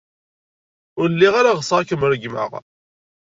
Ur lliɣ ara ɣseɣ ad kem-regmeɣ.